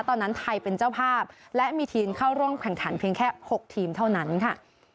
ตอนนั้นไทยเป็นเจ้าภาพและมีทีมเข้าร่วมแข่งขันเพียงแค่๖ทีมเท่านั้นค่ะ